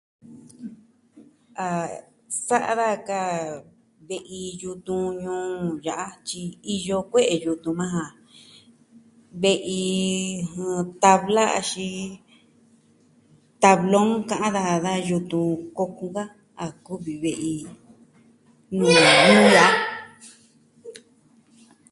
A sa'a daja ka ve'i yutun ñuu ya'a, tyi iyo kue'e yutun majan, ve'i... tavla, axin... tavlon ka'an daja da yutun kokun ka a kuvi ve'i nuu ñuu ya'a.